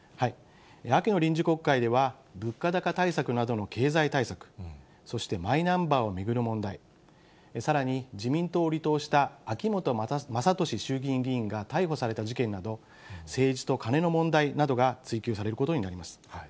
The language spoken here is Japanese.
秋の臨時国会では、物価高対策などの経済対策、そしてマイナンバーを巡る問題、さらに、自民党を離党した秋本真利衆議院議員が逮捕された事件など、政治とカネの問題などが追及されることになります。